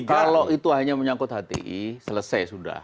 kalau itu hanya menyangkut hti selesai sudah